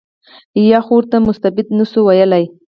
بیا خو ورته مستبد نه شو ویلای.